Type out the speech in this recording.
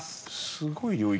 すごい領域。